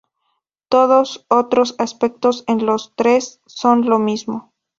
Todos otros aspectos de los tres son lo mismo.